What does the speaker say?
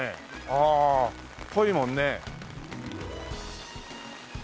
ああぽいもんね。